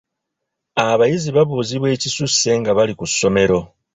Abayizi babuuzibwa ekisusse nga bali ku ssomero.